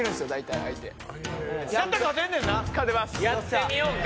やってみようか？